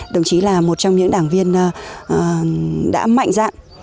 đồng chí là một trong những đảng viên đã mạnh dạng